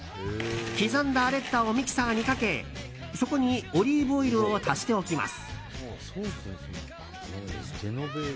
刻んだアレッタをミキサーにかけそこにオリーブオイルを足しておきます。